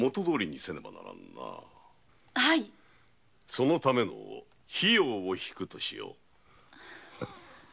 そのための費用を引くとしよう。